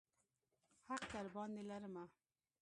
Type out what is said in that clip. حق درباندې لرمه.